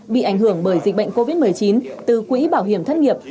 bị ảnh hưởng bởi dịch bệnh covid một mươi chín từ quỹ bảo hiểm thất nghiệp